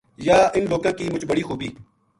یاہ اِنھ لوکاں کی مُچ بڑی خُوبی